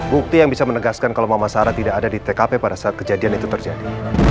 bukti yang bisa menegaskan kalau mama sarah tidak ada di tkp pada saat kejadian itu terjadi